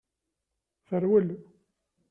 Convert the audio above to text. Terwel.